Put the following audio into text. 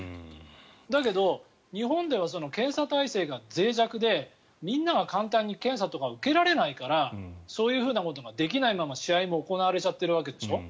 だけど日本では検査体制がぜい弱でみんなが簡単に検査とか受けられないからそういうふうなことができないまま試合も行われちゃっているわけでしょ。